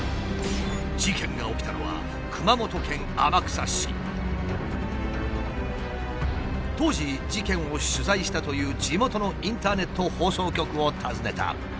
事件が起きたのは当時事件を取材したという地元のインターネット放送局を訪ねた。